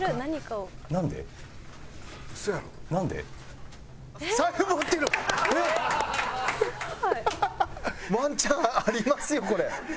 すごい！ワンチャンありますよこれ。